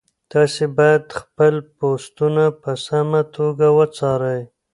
تاسي باید خپل پوسټونه په سمه توګه وڅارئ.